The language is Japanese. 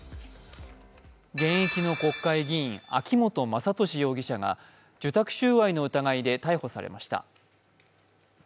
現役の国会議員、秋本真利容疑者が受託収賄の疑いで逮捕されました。